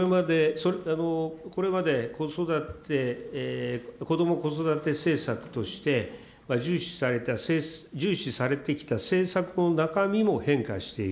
これまで子育て、こども・子育て政策として重視されてきた政策の中身も変化している。